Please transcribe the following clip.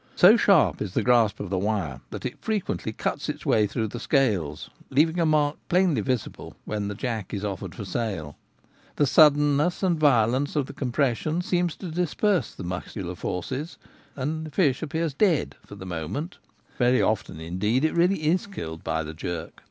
So sharp is the grasp of the wire that it frequently cuts its way through the scales, leaving a mark plainly visible when the jack is offered for sale. The sudden ness and violence of the compression seem to disperse the muscular forces, and the fish appears dead for the moment. Very often, indeed, it really is killed by the jerk.